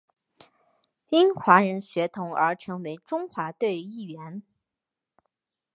因华人血统而成为中华队一员。